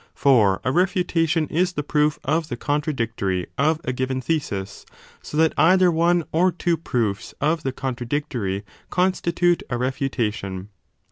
For a refutation is the proof of the contradictory of a given thesis, so that either one or two proofs of the contradictory constitute a refuta tion.